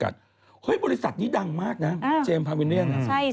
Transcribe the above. ให้สิดังเลย